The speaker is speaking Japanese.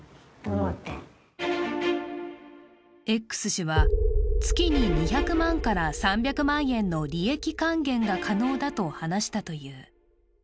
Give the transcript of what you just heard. Ｘ氏は月に２００万から３００万円の利益還元が可能だと話したという。